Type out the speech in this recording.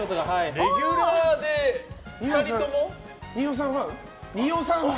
レギュラーで２人とも？